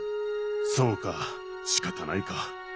そうかしかたないか。